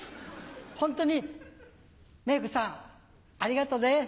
ホントにメイクさんありがとね。